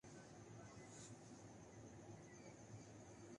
Preston G Foster Birmingham الا